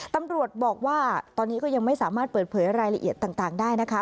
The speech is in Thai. ตำรวจบอกว่าตอนนี้ก็ยังไม่สามารถเปิดเผยรายละเอียดต่างได้นะคะ